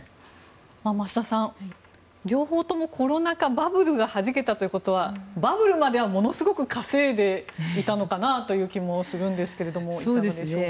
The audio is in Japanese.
増田さん、両方ともコロナ禍バブルがはじけたということはバブルまではものすごく稼いでいたという気もしますが、いかがでしょうか。